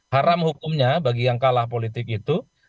haram hukumnya bagi yang kalah politik itu